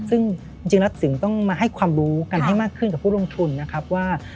ซึ่งจริงแล้วถึงต้องมาให้ความรู้กันให้มากขึ้นกับผู้ลงทุนนะครับว่า